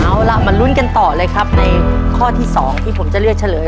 เอาล่ะมาลุ้นกันต่อเลยครับในข้อที่๒ที่ผมจะเลือกเฉลย